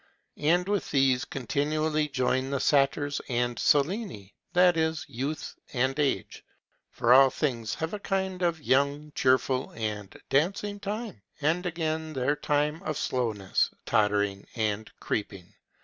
And with these continually join the Satyrs and Sileni, that is, youth and age; for all things have a kind of young, cheerful, and dancing time; and again their time of slowness, tottering, and creeping.